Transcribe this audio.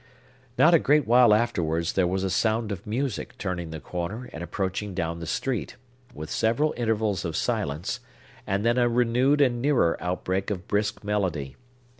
Not a great while afterwards there was a sound of music turning the corner and approaching down the street, with several intervals of silence, and then a renewed and nearer outbreak of brisk melody.